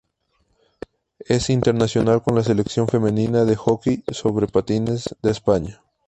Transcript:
Es internacional con la Selección femenina de hockey sobre patines de España.